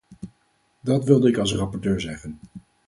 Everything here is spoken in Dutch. Dat wilde ik als rapporteur zeggen.